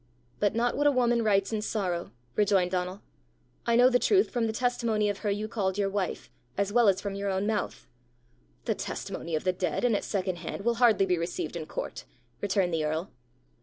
"But not what a woman writes in sorrow!" rejoined Donal. "I know the truth from the testimony of her you called your wife, as well as from your own mouth!" "The testimony of the dead, and at second hand, will hardly be received in court!" returned the earl.